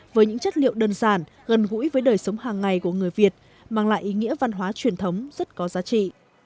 với những chất liệu đơn giản gần gũi với đời sống hàng ngày của người việt mang lại ý nghĩa văn hóa truyền thống rất có giá trị